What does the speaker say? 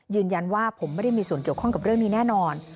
ยืนยันว่าผมไม่ได้มีส่วนเกี่ยวข้องกับเรื่องนี้แน่นอน